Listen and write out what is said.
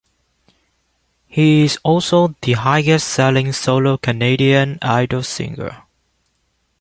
He is also the highest selling solo Canadian Idol singer.